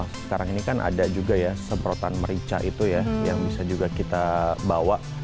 sekarang ini kan ada juga ya semprotan merica itu ya yang bisa juga kita bawa